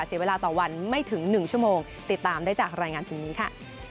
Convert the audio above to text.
เสียเวลาต่อวันไม่ถึง๑ชั่วโมงติดตามได้จากรายงานชิ้นนี้ค่ะ